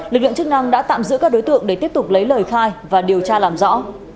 lực lượng chức năng đã tạm giữ các đối tượng để tiếp tục lấy lời khai và điều tra làm rõ